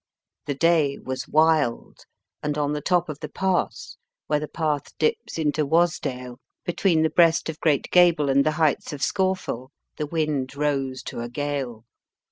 The day was wild, and on the top of the pass, where the path dips into Wastdale, between the breast of Great Gable and the heights of Scawfell, the wind rose to a gale.